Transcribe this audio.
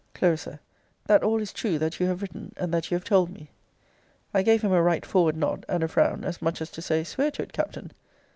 Cl. That all is true, that you have written, and that you have told me. I gave him a right forward nod, and a frown as much as to say, swear to it, Captain.